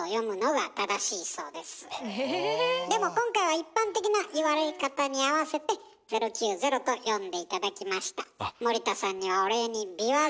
でも今回は一般的な言われ方に合わせて「０９０」と読んで頂きました。